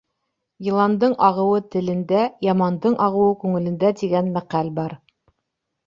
Йыландың ағыуы — телендә, ямандың ағыуы — күңелендә, тигән мәҡәл бар.